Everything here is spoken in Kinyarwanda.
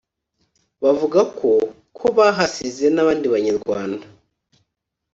Bavuga ko ko bahasize n’abandi Banyarwanda